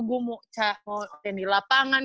gue mau latihan di lapangan